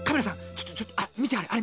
ちょっとちょっとみてあれ。